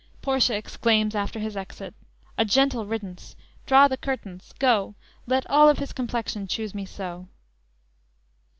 "_ Portia exclaims after his exit: _"A gentle riddance; draw the curtains, go Let all of his complexion choose me so!"